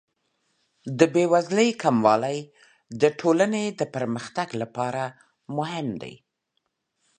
د بې وزلۍ کموالی د ټولنې د پرمختګ لپاره مهم دی.